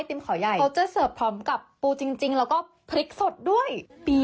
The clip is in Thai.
จิ้มกระผับเพื่อความแซ่บงัวเพิ่มรสชาติ